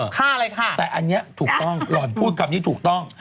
ฆ่าเลยค่ะแต่อันนี้ถูกต้องหล่อนพูดคำนี้ถูกต้อง